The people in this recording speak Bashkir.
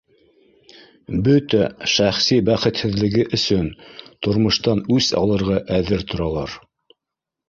Бөтә шәхси бәхетһеҙлеге өсөн тормоштан үс алырға әҙер торалар